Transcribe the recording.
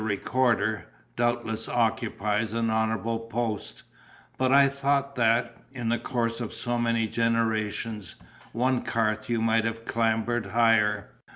Recorder" doubtless occupies an honourable post; but I thought that, in the course of so many generations, one Carthew might have clambered higher.